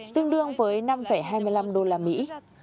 tương đương với năm hai mươi năm đô la mỹ